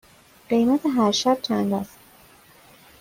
قیمت هر شب چند است؟